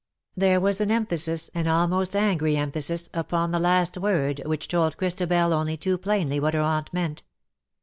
There was an emphasis — an almost angry em phasis — upon the last word which told Christabel only too plainly what her aunt meant.